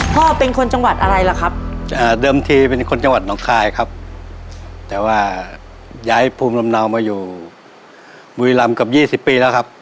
พ่อเป็นคนจังหวัดอะไรล่ะครับเดิมทีเป็นคนจังหวัดหนองคายครับแต่ว่าย้ายภูมิลำเนามาอยู่บุรีรำกับยี่สิบปีแล้วครับ